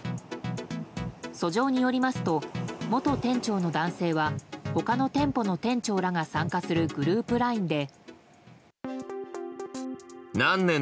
訴状によりますと元店長の男性は他の店舗の店長らが参加するグループＬＩＮＥで。